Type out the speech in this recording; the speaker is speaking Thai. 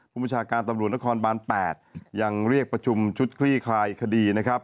ประชาการตำรวจนครบาน๘ยังเรียกประชุมชุดคลี่คลายคดีนะครับ